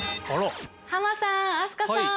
ハマさん飛鳥さん！